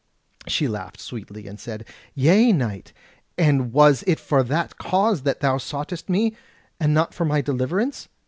She laughed sweetly, and said: "Yea, knight, and was it for that cause that thou soughtest me, and not for my deliverance?"